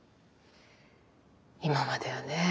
今まではね